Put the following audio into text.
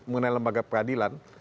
mengenai lembaga peradilan